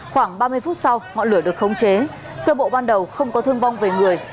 khoảng ba mươi phút sau ngọn lửa được khống chế sơ bộ ban đầu không có thương vong về người